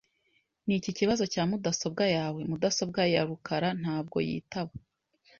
Niki kibazo cya mudasobwa yawe? Mudasobwa ya rukara ntabwo yitaba .